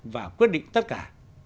và quyết định tất cả